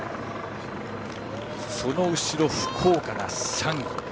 その後ろ、福岡が３位。